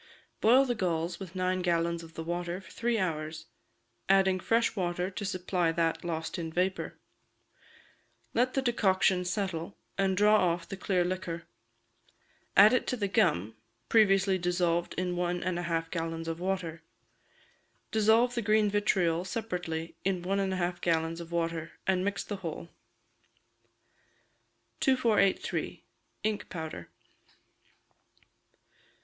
Boil the galls with nine gallons of the water for three hours, adding fresh water to supply that lost in vapour; let the decoction settle, and draw off the clear liquor. Add to it the gum, previously dissolved in one and a half gallons of water; dissolve the green vitriol separately in one and a half gallons of water, and mix the whole. 2483. Ink Powder.